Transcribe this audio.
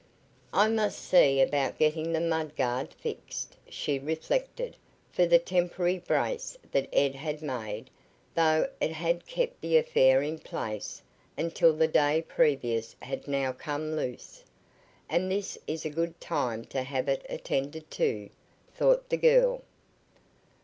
"I must see about getting the mud guard fixed," she reflected, for the temporary brace that Ed had made, though it had kept the affair in place until the day previous had now come loose. "And this is a good time to have it attended to," thought the girl.